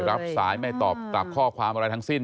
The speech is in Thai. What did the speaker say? รับสายไม่ตอบกลับข้อความอะไรทั้งสิ้น